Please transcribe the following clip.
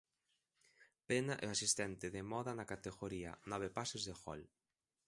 Pena é o asistente de moda na categoría: nove pases de gol.